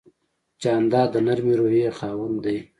جانداد د نرمې روحیې خاوند دی.